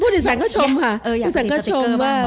ผู้ถือสั่งก็ชมค่ะผู้สั่งก็ชมมาก